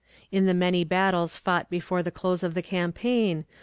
In the many battles fought before the close of the campaign.